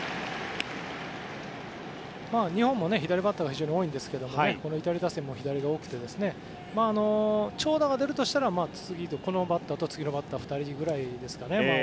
日本も左バッターが非常に多いんですがイタリア打線も左が多くて長打が出るとしたらこのバッターと、次のバッターの２人くらいですかね。